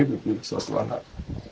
ini dia satu anak